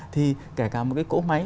thì kể cả một cái cỗ máy